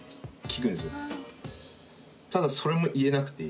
ただそれも言えなくて。